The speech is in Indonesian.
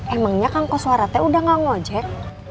emangnya kang kos warah teh udah gak ngojek